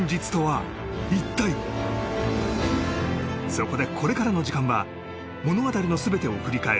そこでこれからの時間は物語の全てを振り返る